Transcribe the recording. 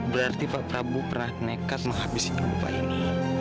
berarti pak prabu pernah nekat menghabiskan bapak ini